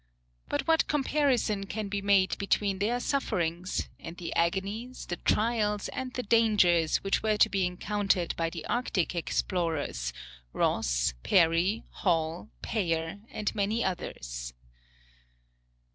But what comparison can be made between their sufferings, and the agonies, the trials and the dangers which were to be encountered by the Arctic explorers, Ross, Parry, Hall, Payer, and many others.